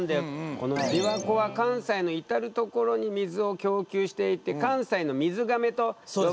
このびわ湖は関西の至る所に水を供給していて関西の水がめと呼ばれているんですよね。